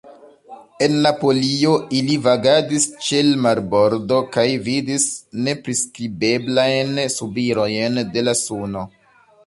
En Napolio ili vagadis ĉe l' marbordo kaj vidis nepriskribeblajn subirojn de la suno.